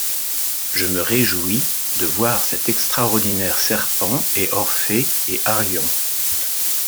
Je me réjouis de voir cet extraordinaire Serpent et Orphée et Arion.